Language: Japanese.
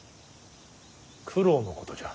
九郎のことじゃ。